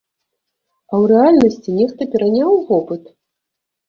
А ў рэальнасці нехта пераняў вопыт?